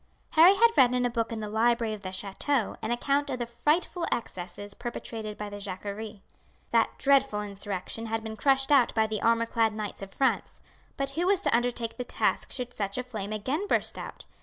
Harry had read in a book in the library of the chateau an account of the frightful excesses perpetrated by the Jacquerie. That dreadful insurrection had been crushed out by the armour clad knights of France; but who was to undertake the task should such a flame again burst out?